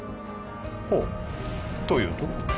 ほおというと？